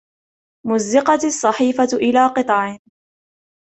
مزقت الصحيفة إلى قطع.